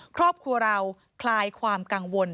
ครอบครัวเราคลายความกังวล